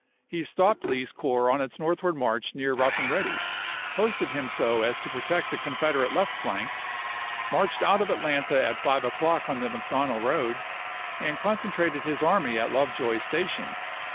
He stopped Lee's corps on its northward march near Kough and Ready, posted him so as to protect the Confederate left flank, marched out of Atlanta at five o'clock on the McDonough road, and concen trated his army at Lovejoy's Station.